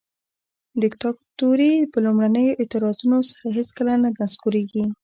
دیکتاتوري په لومړنیو اعتراضونو سره هیڅکله نه نسکوریږي.